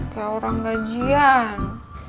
kayak orang gajian